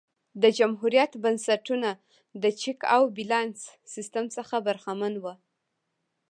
د جمهوریت بنسټونه د چک او بیلانس سیستم څخه برخمن وو